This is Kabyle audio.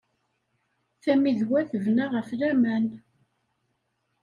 Tammidwa tebna ɣef laman.